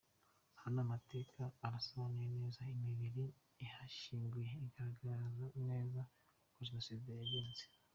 Hano amateka arasobanuye neza, n’imibiri ihashyinguye igaragaza neza uko Jenoside yagenze.